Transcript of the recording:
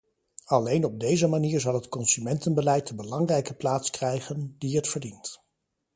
Alleen op deze manier zal het consumentenbeleid de belangrijke plaats krijgen, die het verdient.